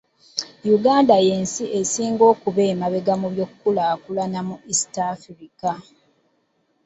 "Uganda y'ensi esinga okuba emabega mu by'enkulaakulana mu East Africa.